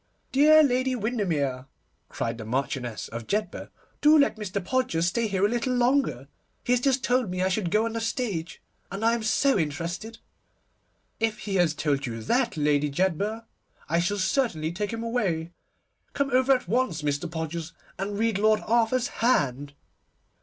'Dear Lady Windermere,' cried the Marchioness of Jedburgh, 'do let Mr. Podgers stay here a little longer. He has just told me I should go on the stage, and I am so interested.' 'If he has told you that, Lady Jedburgh, I shall certainly take him away. Come over at once, Mr. Podgers, and read Lord Arthur's hand.